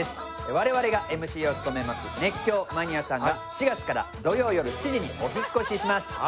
我々がＭＣを務めます「熱狂マニアさん！」が４月から土曜よる７時にお引っ越しします